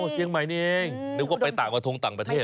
เชียงใหม่นี่เองนึกว่าไปต่างกระทงต่างประเทศ